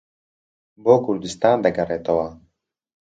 بۆ کوردستان دەگەڕێتەوە